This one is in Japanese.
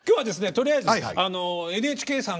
とりあえずＮＨＫさんがですね